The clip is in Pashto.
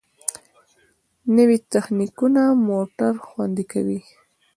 نوې تخنیکونه موټر خوندي کوي.